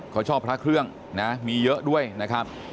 เขาชอบพระเครื่องนะมีเยอะด้วยนะครับ